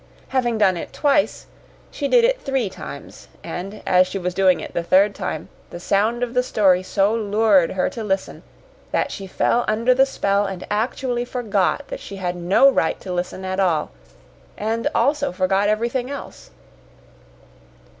Having done it twice, she did it three times; and, as she was doing it the third time, the sound of the story so lured her to listen that she fell under the spell and actually forgot that she had no right to listen at all, and also forgot everything else.